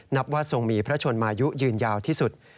นับว่าทรงมีพระชนมายุยืนยาวที่สุด